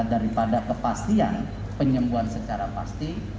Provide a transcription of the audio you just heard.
daripada kepastian penyembuhan secara pasti